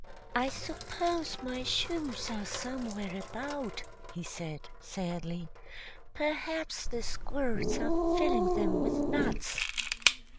] "I suppose my shoes are somewhere about," he said, sadly. "Perhaps the squirrels are filling them with nuts."